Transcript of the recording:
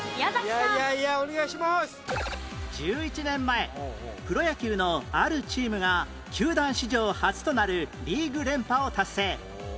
１１年前プロ野球のあるチームが球団史上初となるリーグ連覇を達成